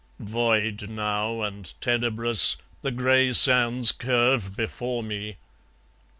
Void now and tenebrous, The grey sands curve before me.